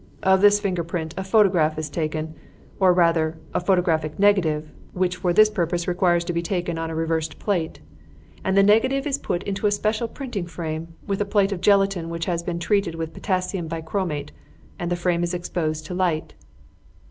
Of this finger print a photograph is taken, or rather, a photographic negative, which for this purpose requires to be taken on a reversed plate, and the negative is put into a special printing frame, with a plate of gelatine which has been treated with potassium bichromate, and the frame is exposed to light.